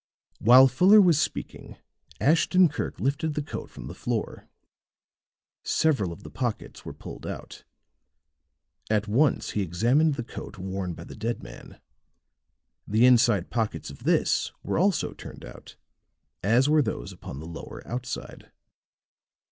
While Fuller was speaking, Ashton Kirk lifted the coat from the floor; several of the pockets were pulled out. At once he examined the coat worn by the dead man; the inside pockets of this were also turned out, as were those upon the lower outside.